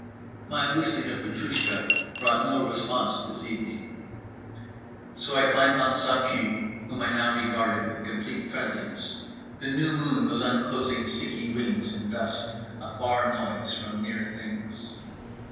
My whistling of Petroushka brought no response this evening. So I climbed on Ça Pue, whom I now regarded with complete friendliness; the new moon was unclosing sticky wings in dusk, a far noise from near things.